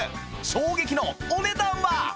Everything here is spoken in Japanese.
衝撃のお値段は？